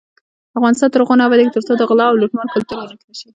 افغانستان تر هغو نه ابادیږي، ترڅو د غلا او لوټمار کلتور ورک نشي.